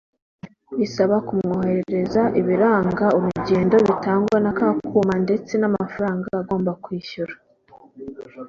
Bisaba kumwoherereza ibiranga urugendo bitangwa na ka kuma ndetse n’amafaranga agomba kwishyura